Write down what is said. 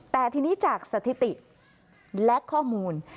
แต่ทีนี้จากสถิติและข้อมูล